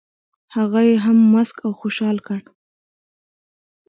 هغه یې هم مسک او خوشال کړ.